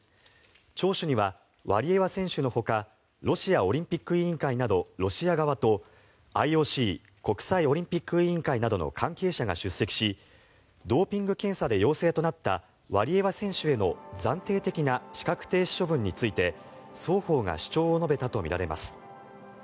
聴取にはワリエワ選手のほかロシアオリンピック委員会などロシア側とＩＯＣ・国際オリンピック委員会などの関係者が出席しドーピング検査で陽性となったワリエワ選手の暫定的な資格停止処分について双方が主張を述べたとみられます。